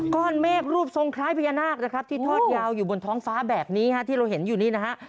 ก้อนเมฆรูปทรงคล้ายพญานาคนะครับที่ทอดยาวอยู่บนท้องฟ้าแบบนี้ฮะที่เราเห็นอยู่นี่นะฮะ